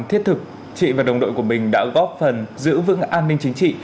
thiết thực chị và đồng đội của mình đã góp phần giữ vững an ninh chính trị